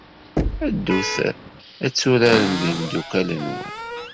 Ddut ad turarem d yimeddukal-nwen.